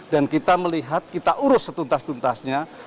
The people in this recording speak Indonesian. dan kita melihat kita urus setuntas tuntasnya